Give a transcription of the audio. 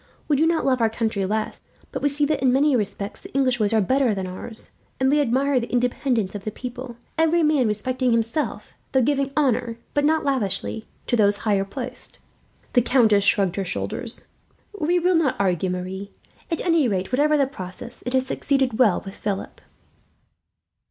We do not love our country less, but we see that, in many respects, the English ways are better than ours; and we admire the independence of the people, every man respecting himself, though giving honour, but not lavishly, to those higher placed." The countess shrugged her shoulders. "We will not argue, Marie. At any rate, whatever the process, it has succeeded well with Philip."